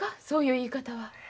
そういう言い方は。